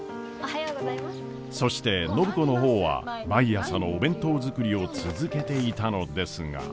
そして暢子の方は毎朝のお弁当作りを続けていたのですが。